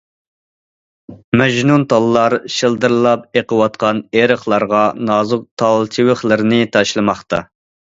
مەجنۇنتاللار، شىلدىرلاپ ئېقىۋاتقان ئېرىقلارغا نازۇك تال چىۋىقلىرىنى تاشلىماقتا.